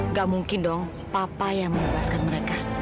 nggak mungkin dong papa yang membebaskan mereka